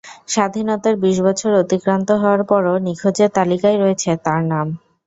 স্বাধীনতার বিশ বছর অতিক্রান্ত হওয়ার পরও নিখোঁজের তালিকায় রয়েছে তাঁর নাম।